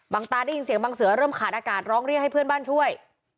ตาได้ยินเสียงบางเสือเริ่มขาดอากาศร้องเรียกให้เพื่อนบ้านช่วย